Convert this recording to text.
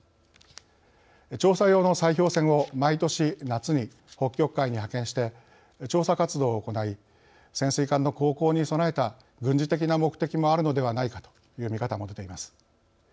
調査用の砕氷船を毎年夏に北極海に派遣して調査活動を行い潜水艦の航行に備えた軍事的な目的もあるのではないかという見方も出ています。